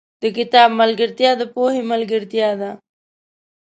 • د کتاب ملګرتیا، د پوهې ملګرتیا ده.